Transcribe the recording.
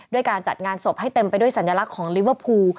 การจัดงานศพให้เต็มไปด้วยสัญลักษณ์ของลิเวอร์พูล